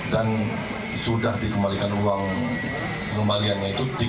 dan sudah dikembalikan uang kembaliannya itu tiga lima